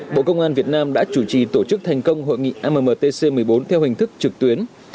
bộ công an việt nam đã chủ trì tổ chức thành công hội nghị mtc một mươi bốn theo hình thức trực tuyến